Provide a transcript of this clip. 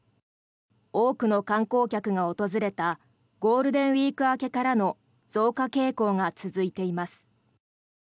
多くの観光客が訪れたゴールデンウィーク明けからの増加傾向が続いています。